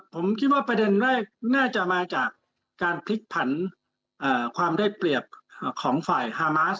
ผมคิดว่าประเด็นแรกน่าจะมาจากการพลิกผันความได้เปรียบของฝ่ายฮามาส